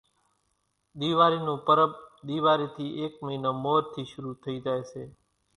ۮيواري نون پرٻ ۮيواري ٿي ايڪ مئينو مور ٿي شرُو ٿئي زائي سي